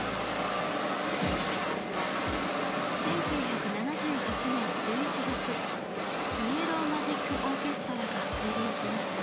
１９７８年１１月イエロー・マジック・オーケストラがデビューしました。